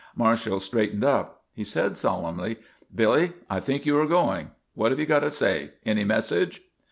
Marshall straightened up. He said, solemnly: "Billy, I think you are going. What have you got to say? Any message?"